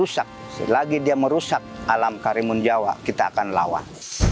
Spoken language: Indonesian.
rusak lagi dia merusak alam karimun jawa kita akan lawan